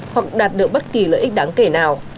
hoặc đạt được bất kỳ lợi ích đáng kể nào